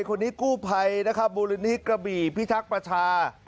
คนนี้กู้ภัยนะครับมูลนิธิกระบี่พิทักษ์ประชา